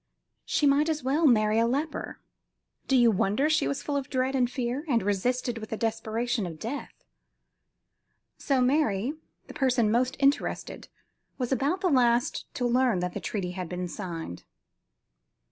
She might as well marry a leper. Do you wonder she was full of dread and fear, and resisted with the desperation of death? So Mary, the person most interested, was about the last to learn that the treaty had been signed.